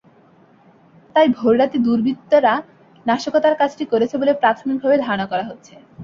তাই ভোররাতে দুর্বৃত্তরা নাশকতার কাজটি করেছে বলে প্রাথমিকভাবে ধারণা করা হচ্ছে।